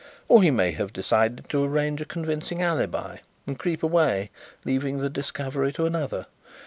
Or he may have decided to arrange a convincing alibi, and creep away, leaving the discovery to another.